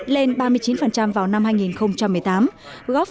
lên ba mươi chín vào năm hai nghìn một mươi tám